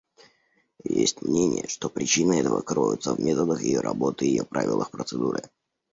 Есть мнения, что причины этого кроются в методах ее работы и ее правилах процедуры.